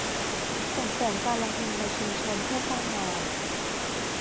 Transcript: ส่งเสริมการลงทุนในชุมชนเพื่อสร้างงาน